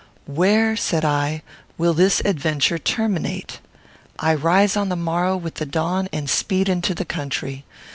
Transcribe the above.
"Where," said I, "will this adventure terminate? I rise on the morrow with the dawn and speed into the country.